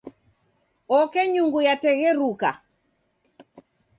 Oke nyungu yategheruka.